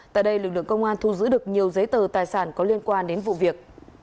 tại đây lực lượng công an thu giữ được nhiều giấy tờ tài sản có liên quan đến vụ việc